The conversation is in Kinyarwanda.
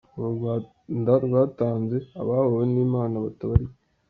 Uru Rwanda rwatanze abahowe n’Imana batabarika